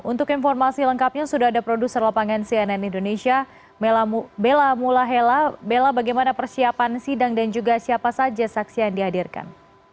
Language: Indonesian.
untuk informasi lengkapnya sudah ada produser lapangan cnn indonesia bella mulahela bella bagaimana persiapan sidang dan juga siapa saja saksi yang dihadirkan